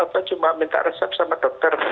apa cuma minta resep sama dokter